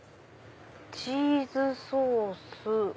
「チーズソース」。